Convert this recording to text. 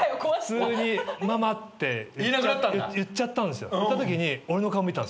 普通にママって言っちゃったんですよ。